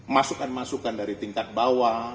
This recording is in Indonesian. masukan masukan dari tingkat bawah